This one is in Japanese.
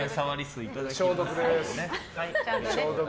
消毒です。